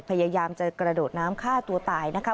พยายามจะกระโดดน้ำฆ่าตัวตายนะคะ